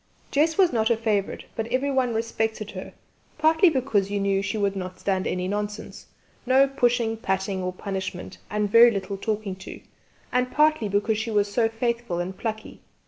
Jess was not a favourite, but everyone respected her, partly because you knew she would not stand any nonsense no pushing, patting or punishment, and very little talking to and partly because she was so faithful and plucky.